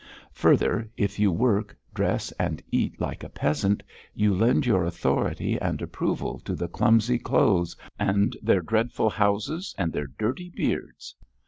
Further, if you work, dress, and eat like a peasant you lend your authority and approval to the clumsy clothes, and their dreadful houses and their dirty beards....